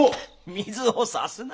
水をさすな。